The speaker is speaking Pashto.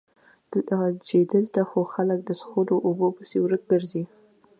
چې دلته خو خلک د څښلو اوبو پسې ورک ګرځي